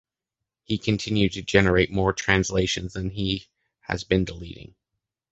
He continued to generate more translations than he has been deleting.